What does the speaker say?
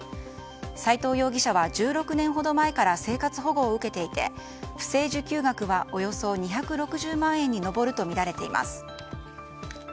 斎藤容疑者は、１６年ほど前から生活保護を受けていて不正受給額はおよそ２６０万円に上るとみられています。